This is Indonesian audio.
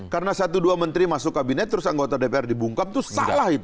karena satu dua menteri masuk kabinet terus anggota dpr dibungkap itu salah itu